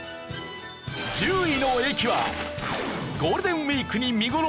１０位の駅はゴールデンウィークに見頃！